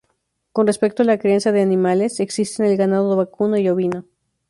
Con respecto a la crianza de animales, existen el ganado vacuno y ovino.